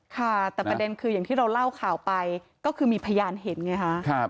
ค่ะแต่ประเด็นคืออย่างที่เราเล่าข่าวไปก็คือมีพยานเห็นไงฮะ